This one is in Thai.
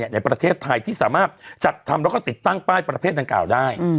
ในประเทศไทยที่สามารถจัดทำแล้วก็ติดตั้งป้ายประเภทดังกล่าวได้